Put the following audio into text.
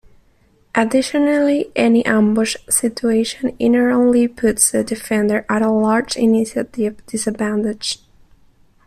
Additionally, any ambush situation inherently puts the defender at a large initiative disadvantage.